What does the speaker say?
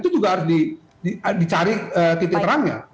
itu juga harus dicari titik terangnya